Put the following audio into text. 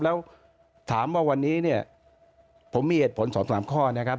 แล้วถามว่าวันนี้เนี่ยผมมีเหตุผล๒๓ข้อนะครับ